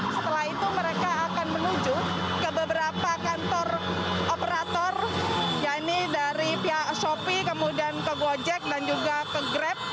setelah itu mereka akan menuju ke beberapa kantor operator yaitu dari pihak shopee kemudian ke gojek dan juga ke grab